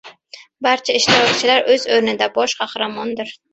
Barcha ishtirokchilar o‘z o‘rnida bosh qahramondir.